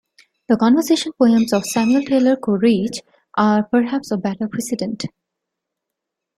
The conversation poems of Samuel Taylor Coleridge are perhaps a better precedent.